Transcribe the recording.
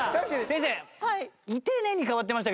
先生。